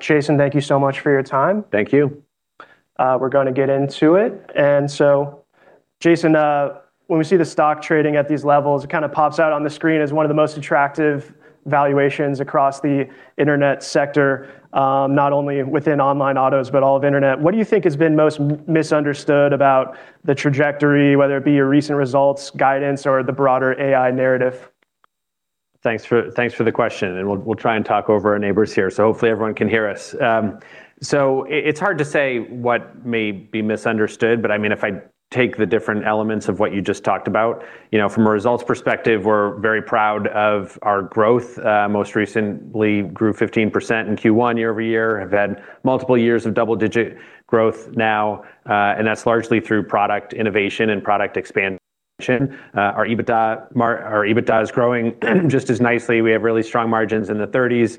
Jason, thank you so much for your time. Thank you. We're going to get into it. Jason, when we see the stock trading at these levels, it kind of pops out on the screen as one of the most attractive valuations across the internet sector. Not only within online autos, but all of internet. What do you think has been most misunderstood about the trajectory, whether it be your recent results, guidance, or the broader AI narrative? Thanks for the question, and we'll try and talk over our neighbors here, so hopefully everyone can hear us. It's hard to say what may be misunderstood, but if I take the different elements of what you just talked about. From a results perspective, we're very proud of our growth. Most recently grew 15% in Q1 year-over-year, have had multiple years of double-digit growth now. That's largely through product innovation and product expansion. Our EBITDA is growing just as nicely. We have really strong margins in the 30s.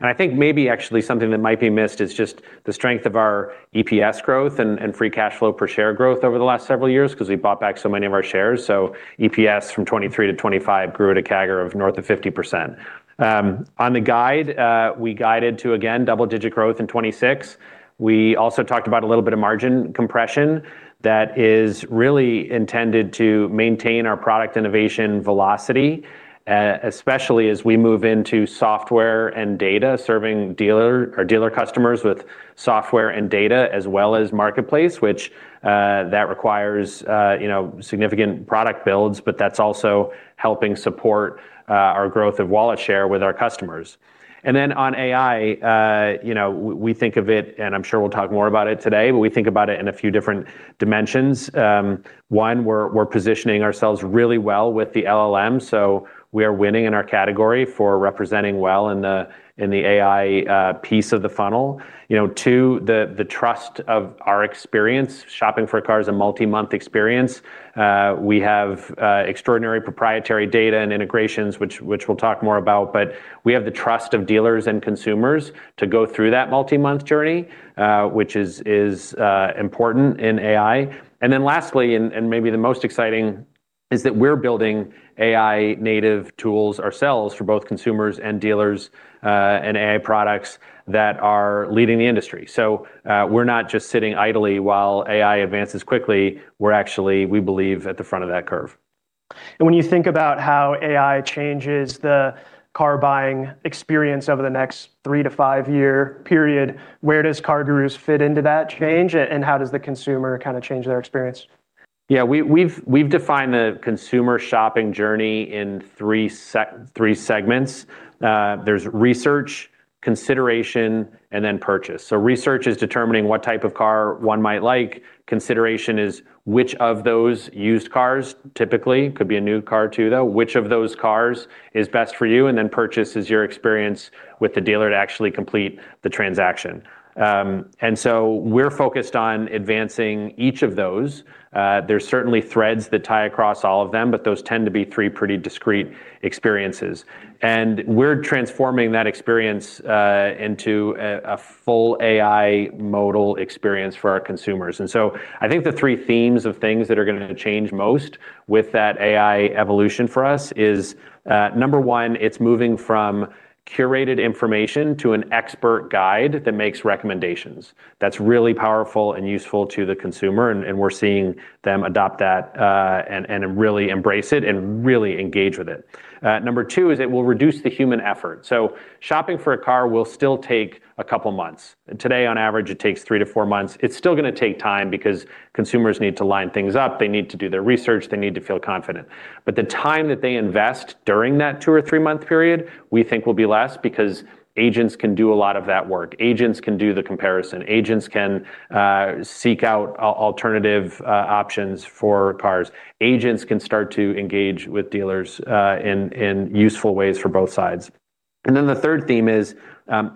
I think maybe actually something that might be missed is just the strength of our EPS growth and free cash flow per share growth over the last several years because we bought back so many of our shares. EPS from 2023 to 2025 grew at a CAGR of north of 50%. On the guide, we guided to, again, double-digit growth in 2026. We also talked about a little bit of margin compression that is really intended to maintain our product innovation velocity, especially as we move into software and data, serving dealer customers with software and data as well as marketplace. That requires significant product builds, that's also helping support our growth of wallet share with our customers. On AI, we think of it, and I'm sure we'll talk more about it today, but we think about it in a few different dimensions. One, we're positioning ourselves really well with the LLM, so we are winning in our category for representing well in the AI piece of the funnel. Two, the trust of our experience. Shopping for a car is a multi-month experience. We have extraordinary proprietary data and integrations which we'll talk more about, but we have the trust of dealers and consumers to go through that multi-month journey, which is important in AI. Lastly, and maybe the most exciting, is that we're building AI native tools ourselves for both consumers and dealers, and AI products that are leading the industry. We're not just sitting idly while AI advances quickly. We're actually, we believe, at the front of that curve. When you think about how AI changes the car buying experience over the next three- to five-year period, where does CarGurus fit into that change, and how does the consumer kind of change their experience? Yeah, we've defined the consumer shopping journey in three segments. There's research, consideration, and then purchase. Research is determining what type of car one might like. Consideration is which of those used cars, typically, could be a new car too, though, which of those cars is best for you. Purchase is your experience with the dealer to actually complete the transaction. We're focused on advancing each of those. There's certainly threads that tie across all of them, but those tend to be three pretty discrete experiences. We're transforming that experience into a full AI modal experience for our consumers. I think the three themes of things that are going to change most with that AI evolution for us is, number one, it's moving from curated information to an expert guide that makes recommendations. That's really powerful and useful to the consumer, and we're seeing them adopt that, and really embrace it, and really engage with it. Number two is it will reduce the human effort. Shopping for a car will still take a couple of months. Today, on average, it takes three to four months. It's still going to take time because consumers need to line things up. They need to do their research. They need to feel confident. The time that they invest during that two or three-month period, we think will be less because agents can do a lot of that work. Agents can do the comparison. Agents can seek out alternative options for cars. Agents can start to engage with dealers in useful ways for both sides. Then the third theme is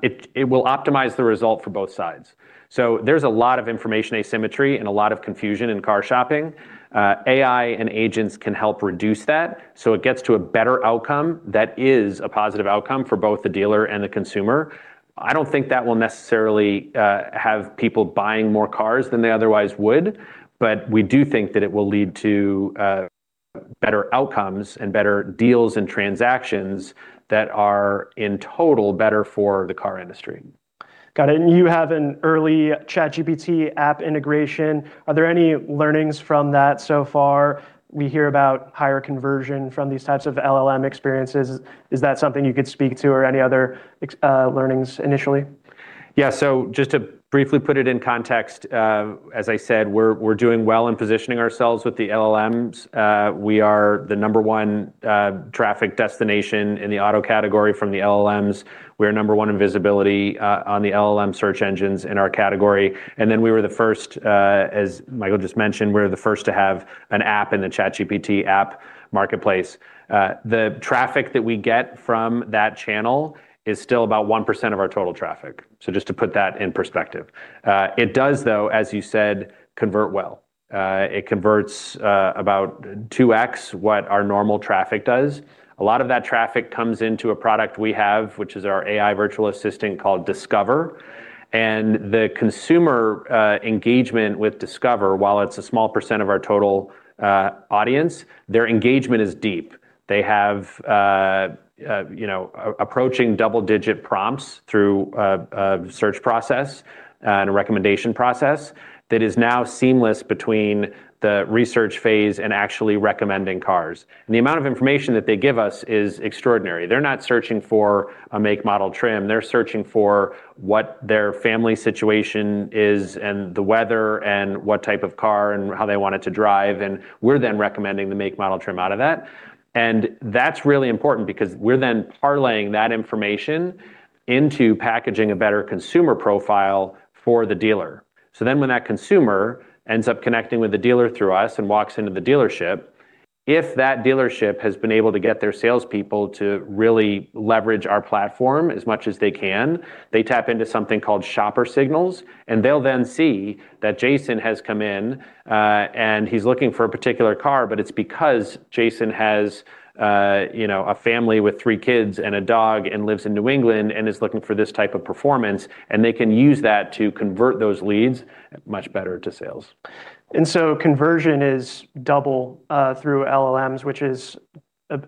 it will optimize the result for both sides. There's a lot of information asymmetry and a lot of confusion in car shopping. AI and agents can help reduce that so it gets to a better outcome that is a positive outcome for both the dealer and the consumer. I don't think that will necessarily have people buying more cars than they otherwise would, but we do think that it will lead to better outcomes and better deals and transactions that are, in total, better for the car industry. Got it. You have an early ChatGPT app integration. Are there any learnings from that so far? We hear about higher conversion from these types of LLM experiences. Is that something you could speak to or any other learnings initially? Yeah. Just to briefly put it in context, as I said, we're doing well in positioning ourselves with the LLMs. We are the number one traffic destination in the auto category from the LLMs. We are number one in visibility on the LLM search engines in our category. We were the first, as Michael just mentioned, we're the first to have an app in the ChatGPT app marketplace. The traffic that we get from that channel is still about 1% of our total traffic. Just to put that in perspective. It does, though, as you said, convert well. It converts about 2x what our normal traffic does. A lot of that traffic comes into a product we have, which is our AI virtual assistant called Discover. The consumer engagement with Discover, while it's a small percentage of our total audience, their engagement is deep. They have approaching double-digit prompts through a search process and a recommendation process that is now seamless between the research phase and actually recommending cars. The amount of information that they give us is extraordinary. They're not searching for a make, model, trim. They're searching for what their family situation is and the weather and what type of car and how they want it to drive, and we're then recommending the make, model, trim out of that. That's really important because we're then parlaying that information into packaging a better consumer profile for the dealer. When that consumer ends up connecting with the dealer through us and walks into the dealership, if that dealership has been able to get their salespeople to really leverage our platform as much as they can, they tap into something called Shopper Signals. They'll then see that Jason has come in, and he's looking for a particular car. It's because Jason has a family with three kids and a dog and lives in New England and is looking for this type of performance. They can use that to convert those leads much better to sales. Conversion is double through LLMs, which is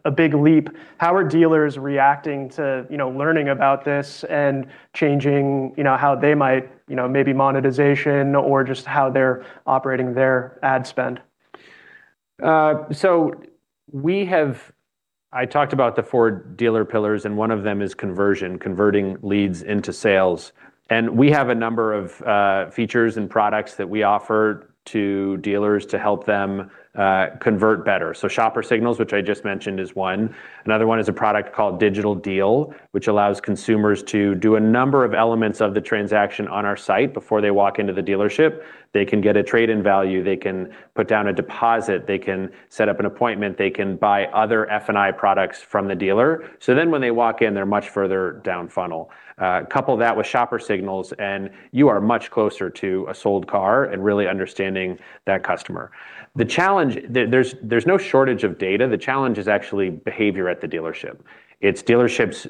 a big leap. How are dealers reacting to learning about this and changing how they might maybe monetization or just how they're operating their ad spend? I talked about the four dealer pillars, and one of them is conversion, converting leads into sales. We have a number of features and products that we offer to dealers to help them convert better. Shopper Signals, which I just mentioned, is one. Another one is a product called Digital Deal, which allows consumers to do a number of elements of the transaction on our site before they walk into the dealership. They can get a trade-in value. They can put down a deposit. They can set up an appointment. They can buy other F&I products from the dealer. Then when they walk in, they're much further down funnel. Couple that with Shopper Signals, and you are much closer to a sold car and really understanding that customer. The challenge, there's no shortage of data. The challenge is actually behavior at the dealership. It's dealerships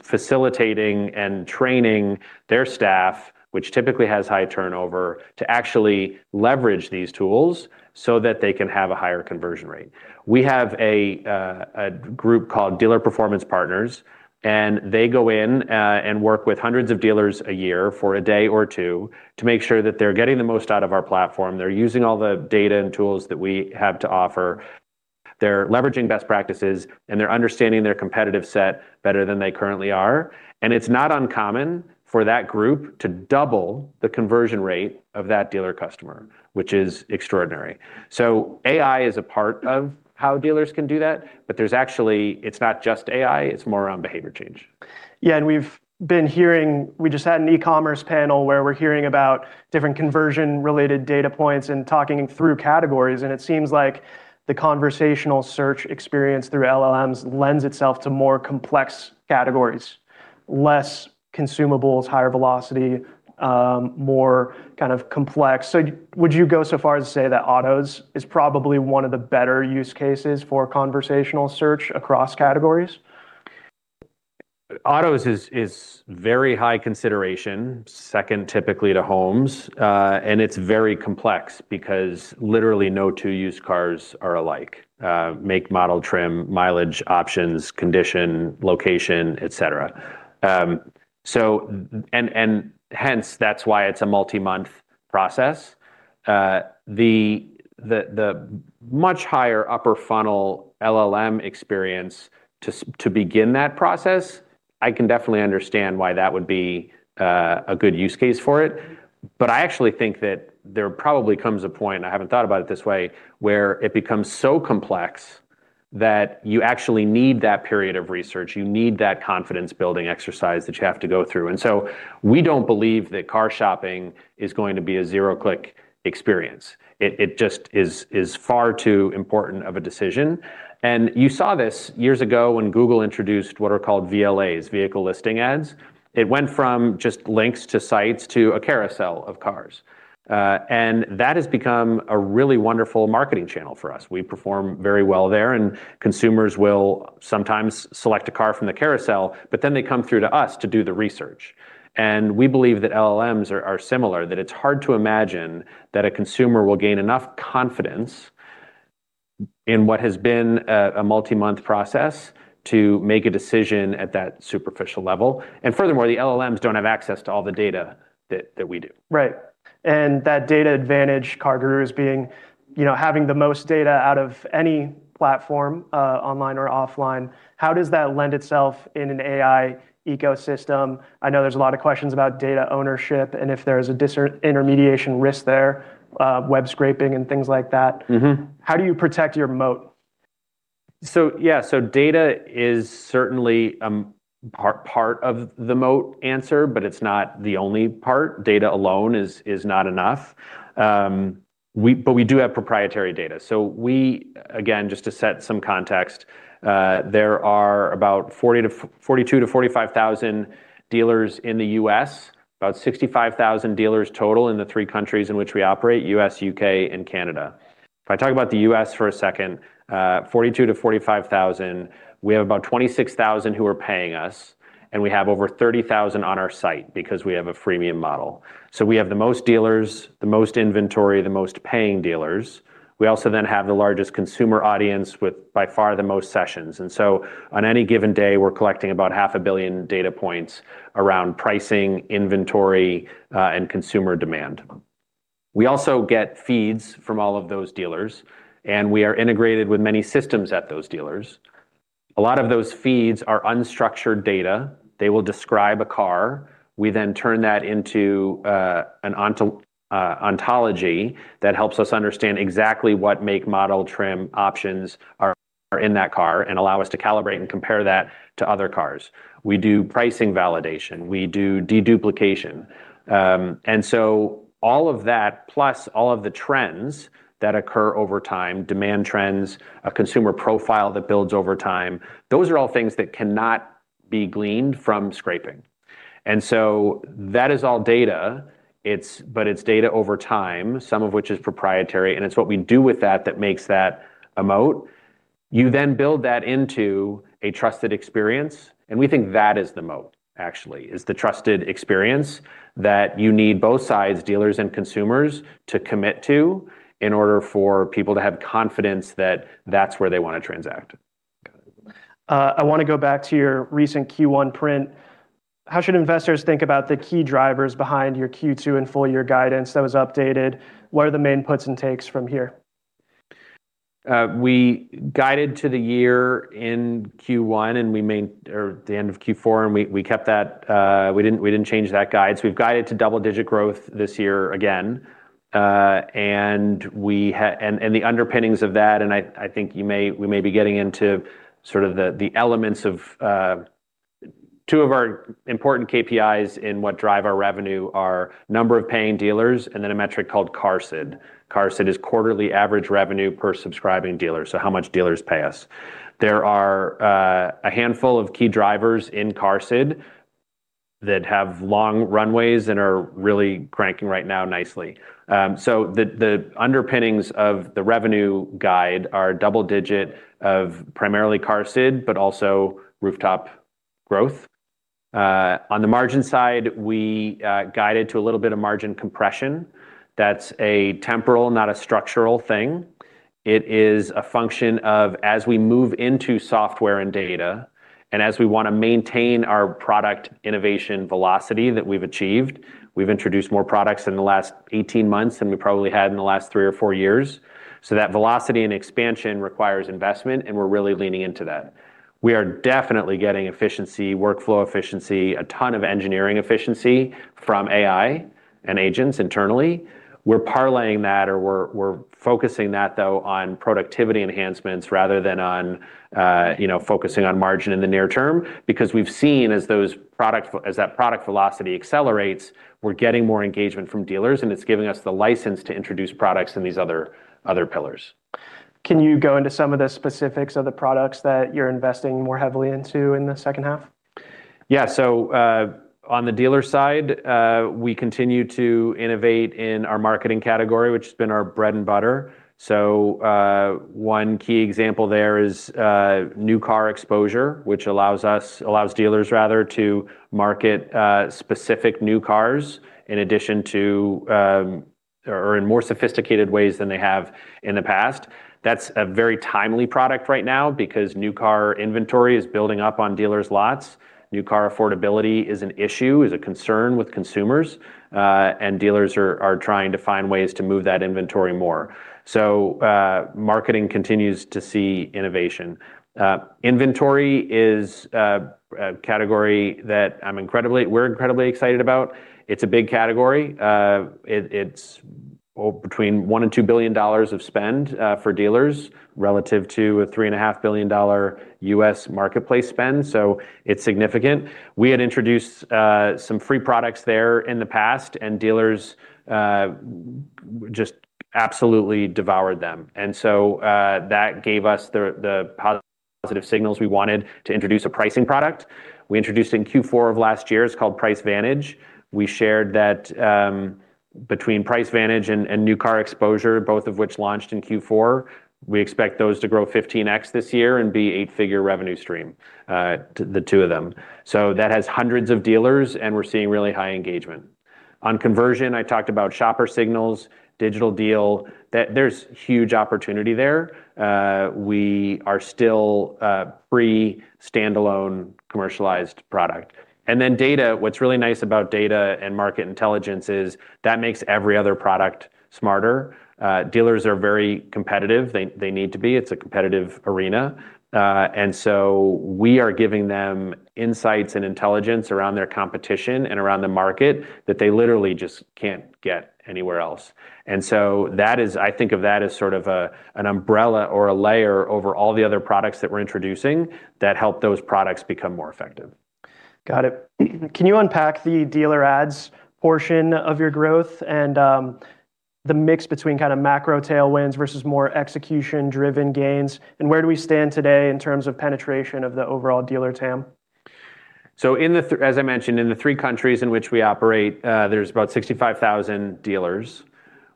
facilitating and training their staff, which typically has high turnover, to actually leverage these tools so that they can have a higher conversion rate. We have a group called Dealer Performance Partners, and they go in and work with hundreds of dealers a year for a day or two to make sure that they're getting the most out of our platform. They're using all the data and tools that we have to offer. They're leveraging best practices, and they're understanding their competitive set better than they currently are. It's not uncommon for that group to double the conversion rate of that dealer customer, which is extraordinary. AI is a part of how dealers can do that. There's actually, it's not just AI, it's more around behavior change. We've been hearing, we just had an e-commerce panel where we're hearing about different conversion-related data points and talking through categories, and it seems like the conversational search experience through LLMs lends itself to more complex categories, less consumables, higher velocity, more kind of complex. Would you go so far as to say that autos is probably one of the better use cases for conversational search across categories? Autos is very high consideration, second typically to homes, and it's very complex because literally no two used cars are alike. Make, model, trim, mileage, options, condition, location, et cetera. And hence that's why it's a multi-month process. The much higher upper funnel LLM experience to begin that process, I can definitely understand why that would be a good use case for it. I actually think that there probably comes a point, I haven't thought about it this way, where it becomes so complex that you actually need that period of research. You need that confidence-building exercise that you have to go through. We don't believe that car shopping is going to be a zero-click experience. It just is far too important of a decision. You saw this years ago when Google introduced what are called VLAs, Vehicle Listing Ads. It went from just links to sites to a carousel of cars. That has become a really wonderful marketing channel for us. We perform very well there, and consumers will sometimes select a car from the carousel, but then they come through to us to do the research. We believe that LLMs are similar, that it's hard to imagine that a consumer will gain enough confidence in what has been a multi-month process to make a decision at that superficial level. Furthermore, the LLMs don't have access to all the data that we do. Right. That data advantage, CarGurus being, having the most data out of any platform, online or offline, how does that lend itself in an AI ecosystem? I know there's a lot of questions about data ownership and if there's a intermediation risk there, web scraping and things like that. How do you protect your moat? Yeah. Data is certainly part of the moat answer, but it's not the only part. Data alone is not enough. We do have proprietary data. We, again, just to set some context, there are about 42,000-45,000 dealers in the U.S., about 65,000 dealers total in the three countries in which we operate, U.S., U.K., and Canada. If I talk about the U.S. for a second, 42,000-45,000, we have about 26,000 who are paying us, and we have over 30,000 on our site because we have a freemium model. We have the most dealers, the most inventory, the most paying dealers. We also have the largest consumer audience with by far the most sessions. On any given day, we're collecting about half a billion data points around pricing, inventory, and consumer demand. We also get feeds from all of those dealers, and we are integrated with many systems at those dealers. A lot of those feeds are unstructured data. They will describe a car. We then turn that into an ontology that helps us understand exactly what make, model, trim, options are in that car and allow us to calibrate and compare that to other cars. We do pricing validation. We do deduplication. All of that, plus all of the trends that occur over time, demand trends, a consumer profile that builds over time, those are all things that cannot be gleaned from scraping. That is all data, but it's data over time, some of which is proprietary, and it's what we do with that that makes that a moat. You then build that into a trusted experience, and we think that is the moat actually, is the trusted experience that you need both sides, dealers and consumers, to commit to in order for people to have confidence that that's where they want to transact. Got it. I want to go back to your recent Q1 print. How should investors think about the key drivers behind your Q2 and full-year guidance that was updated? What are the main puts and takes from here? We guided to the year in Q1, or the end of Q4, and we kept that. We didn't change that guide. We've guided to double-digit growth this year again. The underpinnings of that, and I think we may be getting into sort of the elements of two of our important KPIs in what drive our revenue are number of paying dealers, and then a metric called QARSD. QARSD is quarterly average revenue per subscribing dealer, so how much dealers pay us. There are a handful of key drivers in QARSD that have long runways and are really cranking right now nicely. The underpinnings of the revenue guide are double-digit of primarily QARSD, but also rooftop growth. On the margin side, we guided to a little bit of margin compression. That's a temporal, not a structural thing. It is a function of as we move into software and data, and as we want to maintain our product innovation velocity that we've achieved. We've introduced more products in the last 18 months than we probably have in the last three or four years. That velocity and expansion requires investment, and we're really leaning into that. We are definitely getting efficiency, workflow efficiency, a ton of engineering efficiency from AI and agents internally. We're parlaying that or we're focusing that, though, on productivity enhancements rather than on focusing on margin in the near term, because we've seen as that product velocity accelerates, we're getting more engagement from dealers, and it's giving us the license to introduce products in these other pillars. Can you go into some of the specifics of the products that you're investing more heavily into in the second half? Yeah. On the dealer side, we continue to innovate in our marketing category, which has been our bread and butter. One key example there is New Car Exposure, which allows dealers to market specific new cars in more sophisticated ways than they have in the past. That's a very timely product right now because new car inventory is building up on dealers' lots. New car affordability is an issue, is a concern with consumers. Dealers are trying to find ways to move that inventory more. Marketing continues to see innovation. Inventory is a category that we're incredibly excited about. It's a big category. It's between $1 billion and $2 billion of spend for dealers relative to a $3.5 billion U.S. marketplace spend, so it's significant. We had introduced some free products there in the past, and dealers just absolutely devoured them. That gave us the positive signals we wanted to introduce a pricing product. We introduced in Q4 of last year, it's called PriceVantage. We shared that between PriceVantage and New Car Exposure, both of which launched in Q4, we expect those to grow 15X this year and be a $8-figure revenue stream, the two of them. That has hundreds of dealers, and we're seeing really high engagement. On conversion, I talked about Shopper Signals, Digital Deal. There's huge opportunity there. We are still a free standalone commercialized product. Data, what's really nice about data and market intelligence is that makes every other product smarter. Dealers are very competitive. They need to be. It's a competitive arena. We are giving them insights and intelligence around their competition and around the market that they literally just can't get anywhere else. I think of that as sort of an umbrella or a layer over all the other products that we're introducing that help those products become more effective. Got it. Can you unpack the dealer ads portion of your growth and the mix between kind of macro tailwinds versus more execution-driven gains? Where do we stand today in terms of penetration of the overall dealer TAM? As I mentioned, in the three countries in which we operate, there's about 65,000 dealers.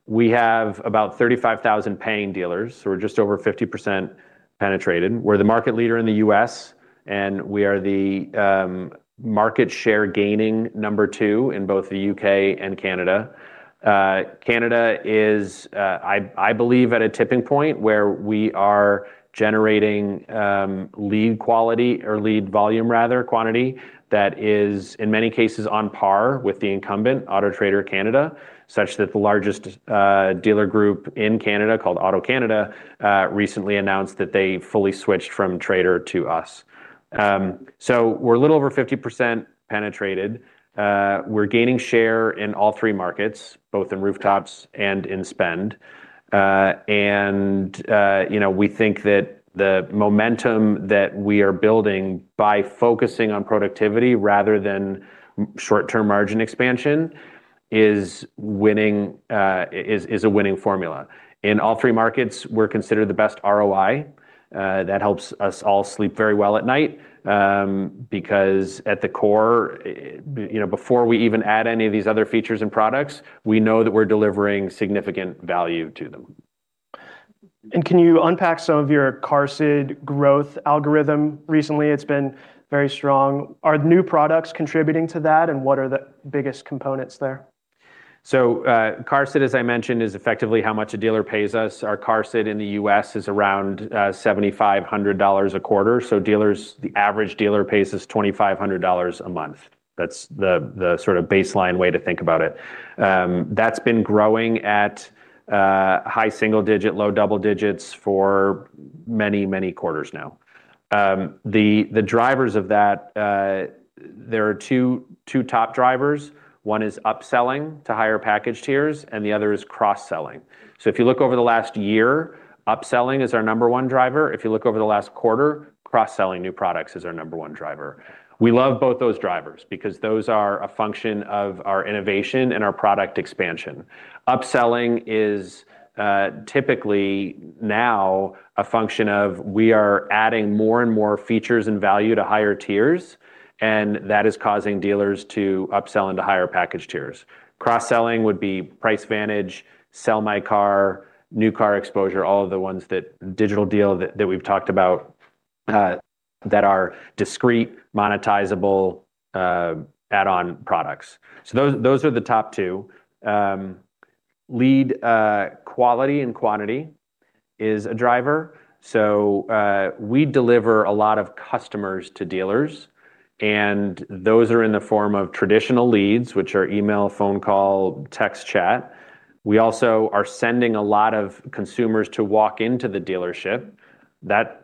We have about 35,000 paying dealers. We're just over 50% penetrated. We're the market leader in the U.S. We are the market share gaining number two in both the U.K. and Canada. Canada is, I believe at a tipping point where we are generating lead quality or lead volume rather, quantity that is in many cases on par with the incumbent, AutoTrader.ca, such that the largest dealer group in Canada called AutoCanada, recently announced that they fully switched from Trader to us. We're a little over 50% penetrated. We're gaining share in all three markets, both in rooftops and in spend. We think that the momentum that we are building by focusing on productivity rather than short-term margin expansion is a winning formula. In all three markets, we're considered the best ROI. That helps us all sleep very well at night. At the core, before we even add any of these other features and products, we know that we're delivering significant value to them. Can you unpack some of your QARSD growth algorithm? Recently, it's been very strong. Are new products contributing to that, and what are the biggest components there? QARSD, as I mentioned, is effectively how much a dealer pays us. Our QARSD in the U.S. is around $7,500 a quarter. The average dealer pays us $2,500 a month. That's the baseline way to think about it. That's been growing at high single-digit, low double-digits for many, many quarters now. The drivers of that, there are two top drivers. One is upselling to higher package tiers, and the other is cross-selling. If you look over the last year, upselling is our number one driver. If you look over the last quarter, cross-selling new products is our number one driver. We love both those drivers because those are a function of our innovation and our product expansion. Upselling is typically now a function of we are adding more and more features and value to higher tiers, and that is causing dealers to upsell into higher package tiers. Cross-selling would be PriceVantage, Sell My Car, New Car Exposure, all of the ones that Digital Deal that we've talked about that are discrete, monetizable, add-on products. Those are the top two. Lead quality and quantity is a driver. We deliver a lot of customers to dealers, and those are in the form of traditional leads, which are email, phone call, text chat. We also are sending a lot of consumers to walk into the dealership.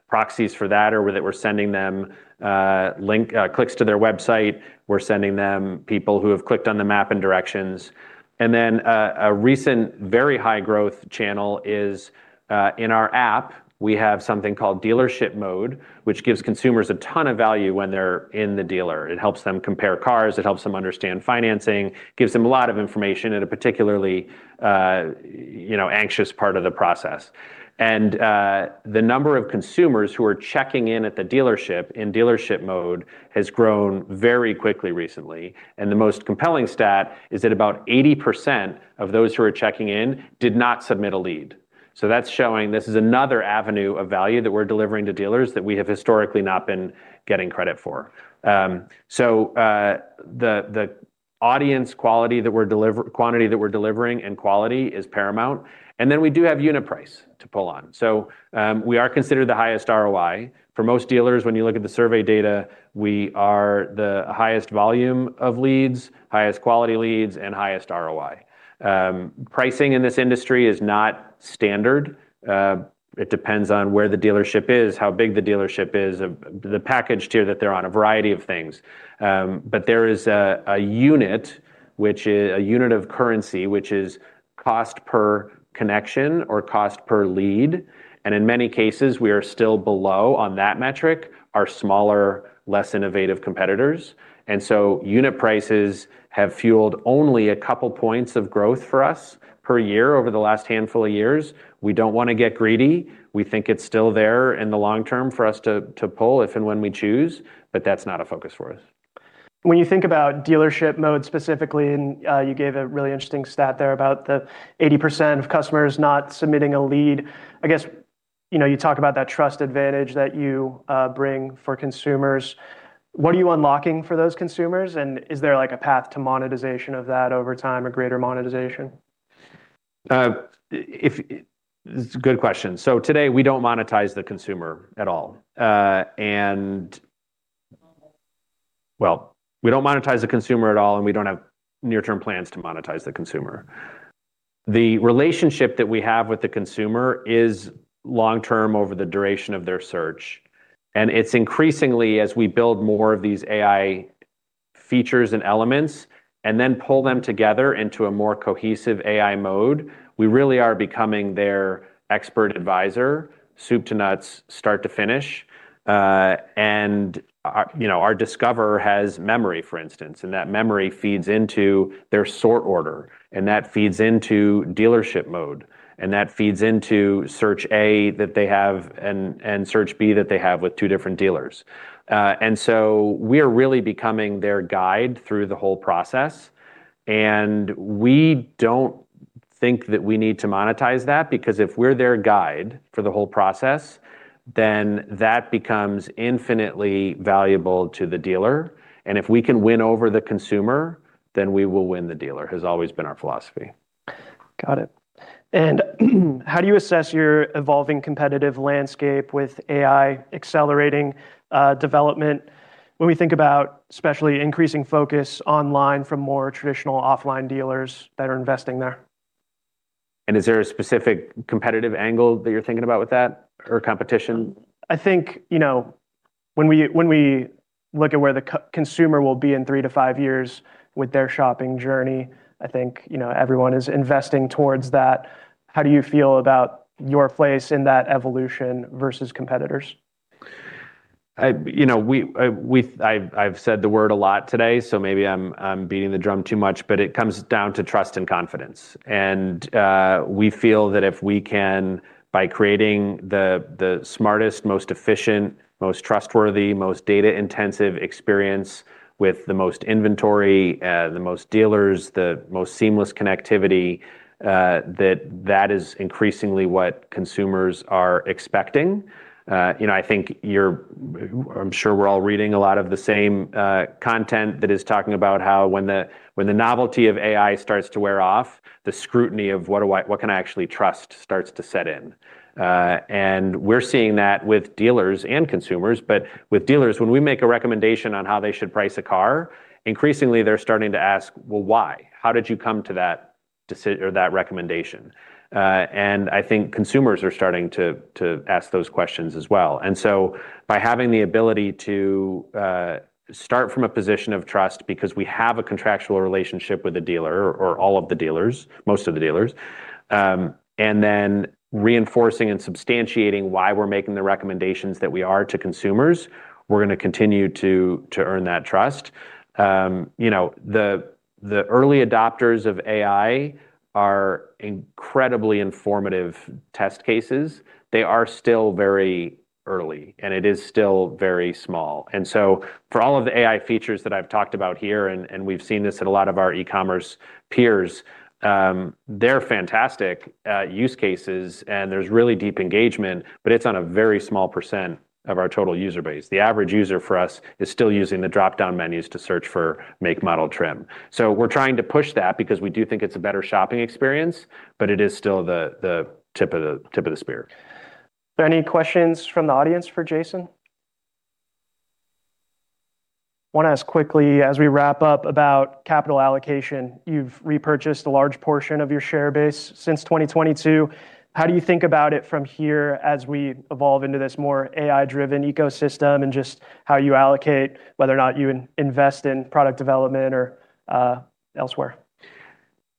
Proxies for that are that we're sending them clicks to their website. We're sending them people who have clicked on the map and directions. A recent very high growth channel is in our app, we have something called Dealership Mode, which gives consumers a ton of value when they're in the dealer. It helps them compare cars. It helps them understand financing. Gives them a lot of information at a particularly anxious part of the process. The number of consumers who are checking in at the dealership in Dealership Mode has grown very quickly recently. The most compelling stat is that about 80% of those who are checking in did not submit a lead. That's showing this is another avenue of value that we're delivering to dealers that we have historically not been getting credit for. The audience quantity that we're delivering and quality is paramount. We do have unit price to pull on. We are considered the highest ROI. For most dealers, when you look at the survey data, we are the highest volume of leads, highest quality leads, and highest ROI. Pricing in this industry is not standard. It depends on where the dealership is, how big the dealership is, the package tier that they're on, a variety of things. There is a unit of currency which is cost per connection or cost per lead. In many cases, we are still below on that metric, our smaller, less innovative competitors. Unit prices have fueled only a couple points of growth for us per year over the last handful of years. We don't want to get greedy. We think it's still there in the long term for us to pull if and when we choose. That's not a focus for us. When you think about Dealership Mode specifically, and you gave a really interesting stat there about the 80% of customers not submitting a lead. I guess, you talk about that trust advantage that you bring for consumers. What are you unlocking for those consumers and is there a path to monetization of that over time or greater monetization? It's a good question. Today, we don't monetize the consumer at all. Well, we don't monetize the consumer at all, and we don't have near-term plans to monetize the consumer. The relationship that we have with the consumer is long-term over the duration of their search. It's increasingly as we build more of these AI features and elements and then pull them together into a more cohesive AI Mode, we really are becoming their expert advisor, soup to nuts, start to finish. Our Discover has memory, for instance, and that memory feeds into their sort order, and that feeds into Dealership Mode, and that feeds into search A, that they have, and search B, that they have with two different dealers. We are really becoming their guide through the whole process, and we don't think that we need to monetize that because if we're their guide for the whole process, then that becomes infinitely valuable to the dealer. If we can win over the consumer, then we will win the dealer, has always been our philosophy. Got it. How do you assess your evolving competitive landscape with AI accelerating development when we think about especially increasing focus online from more traditional offline dealers that are investing there? Is there a specific competitive angle that you're thinking about with that, or competition? I think, when we look at where the consumer will be in three to five years with their shopping journey, I think everyone is investing towards that. How do you feel about your place in that evolution versus competitors? I've said the word a lot today, maybe I'm beating the drum too much, it comes down to trust and confidence. We feel that if we can, by creating the smartest, most efficient, most trustworthy, most data-intensive experience with the most inventory, the most dealers, the most seamless connectivity, that that is increasingly what consumers are expecting. I'm sure we're all reading a lot of the same content that is talking about how when the novelty of AI starts to wear off, the scrutiny of What can I actually trust? starts to set in. We're seeing that with dealers and consumers. With dealers, when we make a recommendation on how they should price a car, increasingly they're starting to ask, Well, why? How did you come to that recommendation? I think consumers are starting to ask those questions as well. By having the ability to start from a position of trust because we have a contractual relationship with the dealer, or all of the dealers, most of the dealers, then reinforcing and substantiating why we're making the recommendations that we are to consumers, we're going to continue to earn that trust. The early adopters of AI are incredibly informative test cases. They are still very early, and it is still very small. For all of the AI features that I've talked about here, and we've seen this at a lot of our e-commerce peers, they're fantastic use cases and there's really deep engagement, but it's on a very small percentage of our total user base. The average user for us is still using the dropdown menus to search for make, model, trim. We're trying to push that because we do think it's a better shopping experience, but it is still the tip of the spear. Are there any questions from the audience for Jason? Want to ask quickly as we wrap up about capital allocation. You've repurchased a large portion of your share base since 2022. How do you think about it from here as we evolve into this more AI-driven ecosystem and just how you allocate whether or not you invest in product development or elsewhere?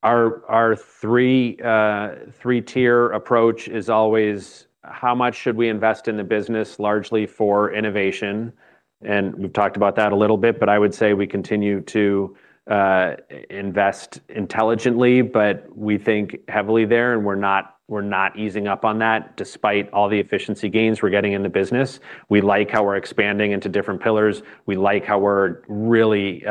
Our 3-tier approach is always how much should we invest in the business, largely for innovation. We've talked about that a little bit, but I would say we continue to invest intelligently, but we think heavily there, and we're not easing up on that despite all the efficiency gains we're getting in the business. We like how we're expanding into different pillars. We like how we're really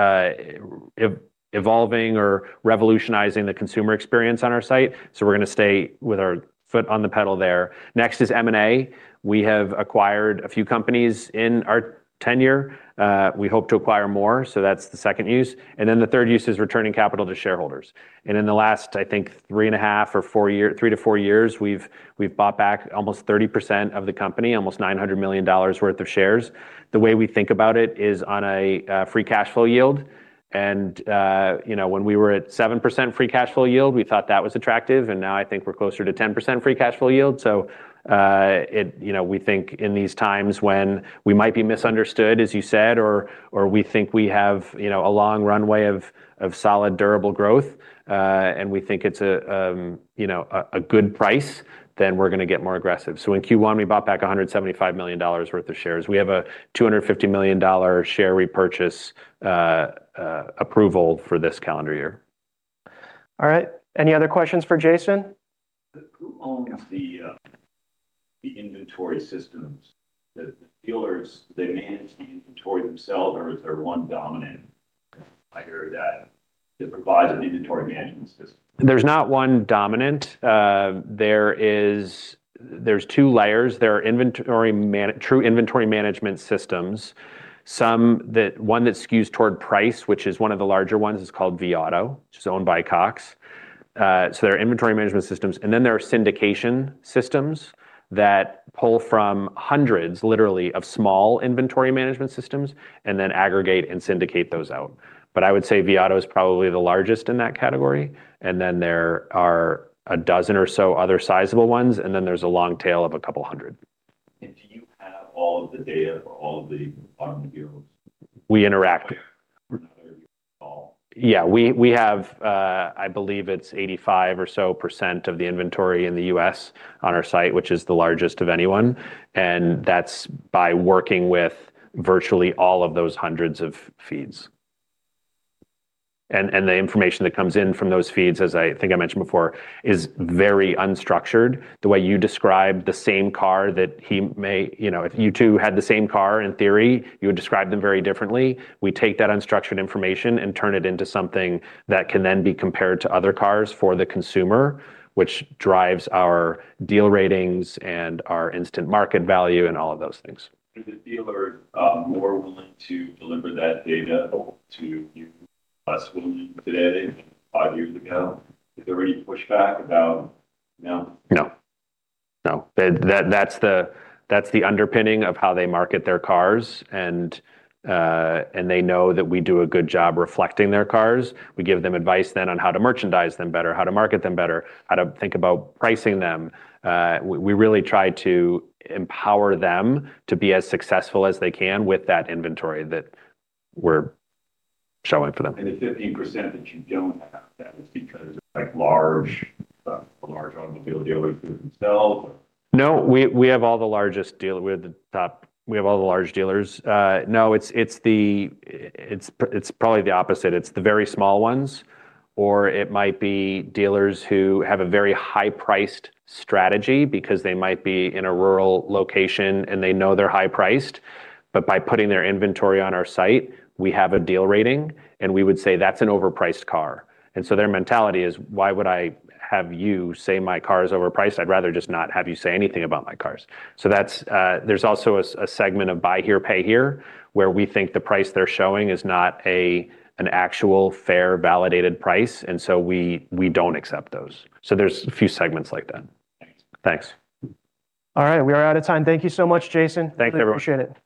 evolving or revolutionizing the consumer experience on our site. We're going to stay with our foot on the pedal there. Next is M&A. We have acquired a few companies in our tenure. We hope to acquire more, so that's the second use. The third use is returning capital to shareholders. In the last, I think, three to four years, we've bought back almost 30% of the company, almost $900 million worth of shares. The way we think about it is on a free cash flow yield. When we were at 7% free cash flow yield, we thought that was attractive, and now I think we're closer to 10% free cash flow yield. We think in these times when we might be misunderstood, as you said, or we think we have a long runway of solid, durable growth, and we think it's a good price, then we're going to get more aggressive. In Q1, we bought back $175 million worth of shares. We have a $250 million share repurchase approval for this calendar year. All right. Any other questions for Jason? Who owns the inventory systems? The dealers, do they manage the inventory themselves, or is there one dominant provider that provides an inventory management system? There's not one dominant. There's two layers. There are true inventory management systems. One that skews toward price, which is one of the larger ones, is called vAuto, which is owned by Cox. There are inventory management systems. There are syndication systems that pull from hundreds, literally, of small inventory management systems and then aggregate and syndicate those out. I would say vAuto is probably the largest in that category. There are a dozen or so other sizable ones, and then there's a long tail of a couple hundred. Do you have all of the data for all of the automobile dealers? We interact. Yeah, we have, I believe it's 85% or so of the inventory in the U.S. on our site, which is the largest of anyone. That's by working with virtually all of those hundreds of feeds. The information that comes in from those feeds, as I think I mentioned before, is very unstructured. The way you describe the same car. If you two had the same car, in theory, you would describe them very differently. We take that unstructured information and turn it into something that can then be compared to other cars for the consumer, which drives our deal ratings and our Instant Market Value and all of those things. Are the dealers more willing to deliver that data to you, less willing today than five years ago? Is there any pushback about them now? That's the underpinning of how they market their cars, and they know that we do a good job reflecting their cars. We give them advice then on how to merchandise them better, how to market them better, how to think about pricing them. We really try to empower them to be as successful as they can with that inventory that we're showing for them. The 15% that you don't have, that is because large automobile dealers do it themselves? No, we have all the large dealers. No, it's probably the opposite. It's the very small ones, or it might be dealers who have a very high-priced strategy because they might be in a rural location and they know they're high-priced. By putting their inventory on our site, we have a deal ratings, and we would say, That's an overpriced car. Their mentality is, Why would I have you say my car is overpriced? I'd rather just not have you say anything about my cars. There's also a segment of buy here, pay here, where we think the price they're showing is not an actual, fair, validated price, and so we don't accept those. There's a few segments like that. Thanks. Thanks. All right. We are out of time. Thank you so much, Jason. Thank you, everyone. We appreciate it.